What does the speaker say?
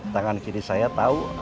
tangan kiri saya tahu